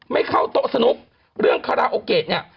ไม่เข้าโต๊ะสนุกเรื่องคาราโอเกะเนี่ย